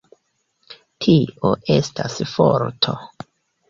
Tio estas forto.